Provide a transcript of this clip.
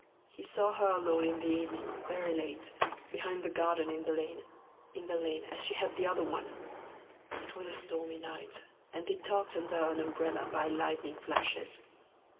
He saw her alone in the evening, very late, behind the garden in the lane; in the lane, as she had the other one! It was a stormy night, and they talked under an umbrella by lightning flashes.